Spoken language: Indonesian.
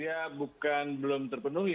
ya bukan belum terpenuhi